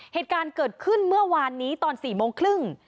เหตุการณ์เกิดขึ้นเมื่อวานนี้ตอน๔โมงครึ่ง